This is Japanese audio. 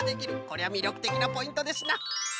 こりゃみりょくてきなポイントですな。